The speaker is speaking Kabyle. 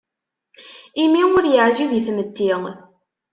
Imi ur yeɛjib i tmetti.